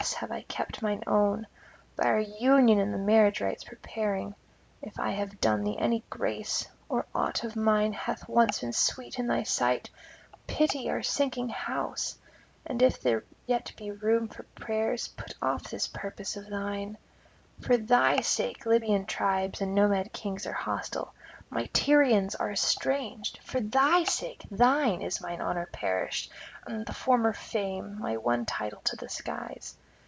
have I kept mine own by our union and the marriage rites preparing; if I have done thee any grace, or aught of mine hath once been sweet in thy sight, pity our sinking house, and if there yet be room for prayers, put off this purpose of thine. For thy sake Libyan tribes and Nomad kings are hostile; my Tyrians are estranged; for thy sake, thine, is mine honour perished, and the former fame, my one title to the skies.